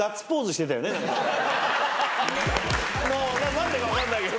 何でか分かんないけど。